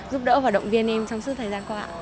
giúp đỡ và động viên em trong suốt thời gian qua